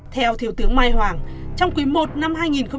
theo thiếu tướng mai hoàng trong quý i năm hai nghìn hai mươi